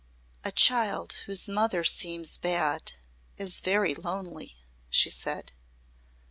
"A child whose mother seems bad is very lonely," she said.